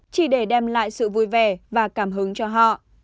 chỉ để đem lại sự vui vẻ và cảm hứng cho họ